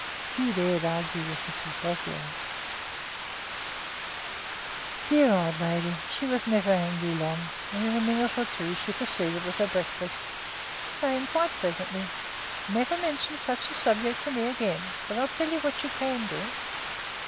Few dared argue with Mrs Bossier. Dear old lady, she was never angry long, and in a minute or two she proceeded with her breakfast, saying quite pleasantly: "Never mention such a subject to me again; but I'll tell you what you can do.